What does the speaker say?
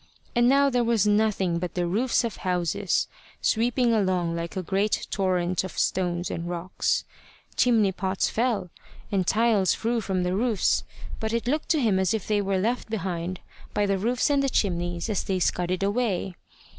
And now there was nothing but the roofs of houses, sweeping along like a great torrent of stones and rocks. Chimney pots fell, and tiles flew from the roofs; but it looked to him as if they were left behind by the roofs and the chimneys as they scudded away.